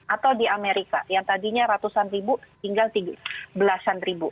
atau di amerika yang tadinya ratusan ribu tinggal belasan ribu